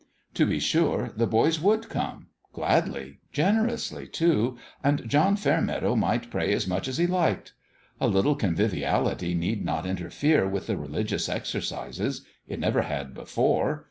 To be sure, the boys would come ! Gladly, generously, too ; and John Fair meadow might pray as much as he liked. A little conviviality need not interfere with the religious exercises. It never had before.